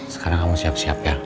sekarang kamu siap siap ya